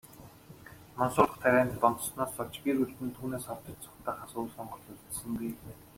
Мансууруулах тарианд донтсоноос болж, гэр бүлд нь түүнээс холдож, зугтаахаас өөр сонголт үлдсэнгүй.